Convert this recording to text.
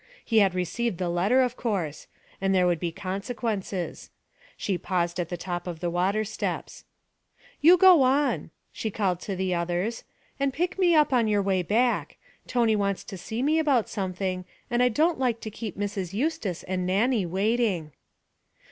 He had received the letter, of course; and there would be consequences. She paused at the top of the water steps. 'You go on,' she called to the others, and pick me up on your way back. Tony wants to see me about something, and I don't like to keep Mrs. Eustace and Nannie waiting.'